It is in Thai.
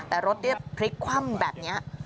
แต่รถพลิกคว่ำแบบนี้